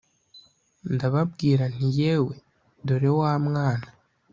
ndababwira nti ‘yewe dore wa mwana’